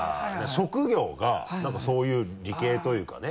職業がそういう理系というかね。